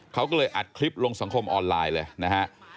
เขาก็เลยอัดคลิปลงสังคมออนไลน์เลยนะฮะ